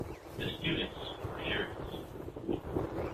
The students were furious.